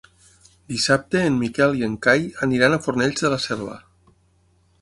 Dissabte en Miquel i en Cai aniran a Fornells de la Selva.